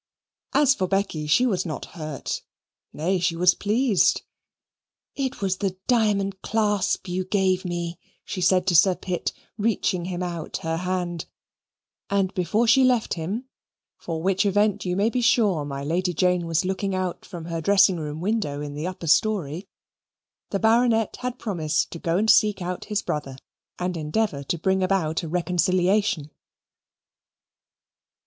As for Becky, she was not hurt; nay, she was pleased. "It was the diamond clasp you gave me," she said to Sir Pitt, reaching him out her hand; and before she left him (for which event you may be sure my Lady Jane was looking out from her dressing room window in the upper story) the Baronet had promised to go and seek out his brother, and endeavour to bring about a reconciliation.